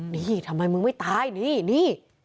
นี่ทำไมมึงไม่ตายนี่นี่